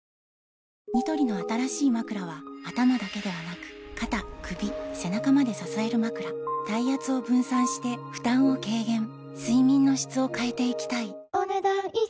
ニトリの新しいまくらは頭だけではなく肩・首・背中まで支えるまくら体圧を分散して負担を軽減睡眠の質を変えていきたいお、ねだん以上。